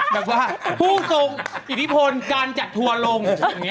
แบบว่าผู้ทรงอิทธิพลการจัดทัวร์ลง